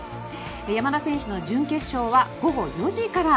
山田選手の準決勝は午後４時から。